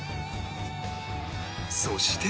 そして